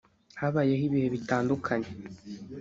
habayeho ibihe bitandukanye